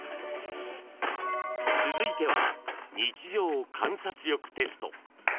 ［続いては日常観察力テスト］